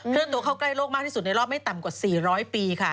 เลื่อนตัวเข้าใกล้โลกมากที่สุดในรอบไม่ต่ำกว่า๔๐๐ปีค่ะ